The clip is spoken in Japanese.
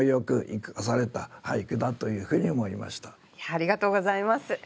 ありがとうございます。